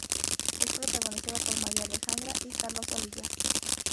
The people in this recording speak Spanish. Es protagonizada por Mayra Alejandra y Carlos Olivier.